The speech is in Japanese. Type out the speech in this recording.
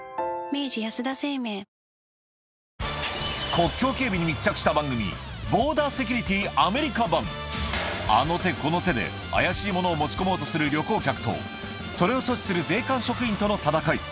国境警備に密着した番組あの手この手で怪しいものを持ち込もうとする旅行客とそれを阻止する税関職員との戦い